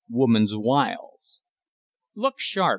WOMAN'S WILES. "Look sharp!"